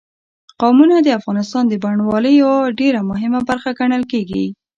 قومونه د افغانستان د بڼوالۍ یوه ډېره مهمه برخه ګڼل کېږي.